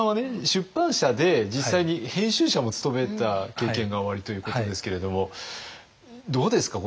出版社で実際に編集者も務めた経験がおありということですけれどもどうですか？